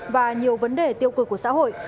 và nhiều vấn đề tiêu cực của xã hội